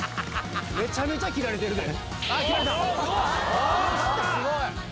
めちゃめちゃ斬られてる。すごい！